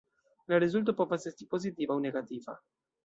La rezulto povas esti pozitiva aŭ negativa.